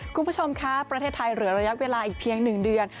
คุณผู้ชมคะประเทศไทยเหลือระยะเวลาอีกเพียง๑เดือน